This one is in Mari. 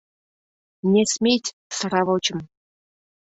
Не сметь сравочым!..